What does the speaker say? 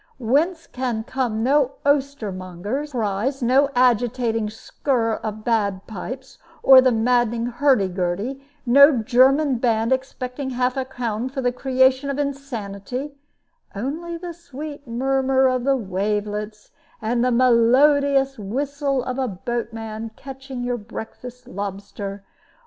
Whence can come no coster mongers' cries, no agitating skir of bagpipes or the maddening hurdy gurdy, no German band expecting half a crown for the creation of insanity; only sweet murmur of the wavelets, and the melodious whistle of a boatman catching your breakfast lobster.